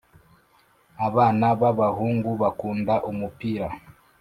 abana babahungu bakunda umupira